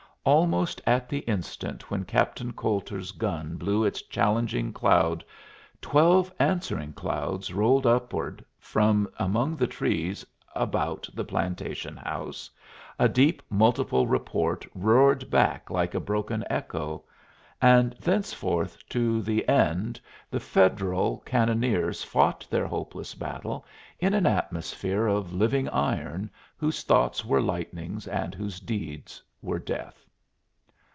Almost at the instant when Captain Coulter's gun blew its challenging cloud twelve answering clouds rolled upward from among the trees about the plantation house, a deep multiple report roared back like a broken echo, and thenceforth to the end the Federal cannoneers fought their hopeless battle in an atmosphere of living iron whose thoughts were lightnings and whose deeds were death.